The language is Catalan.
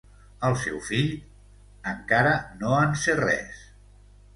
El seu fill... encara no en sé res.